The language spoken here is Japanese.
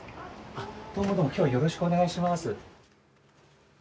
あどうもどうも今日はよろしくお願いします。